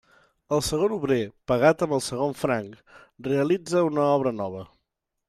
El segon obrer, pagat amb el segon franc, realitza una obra nova.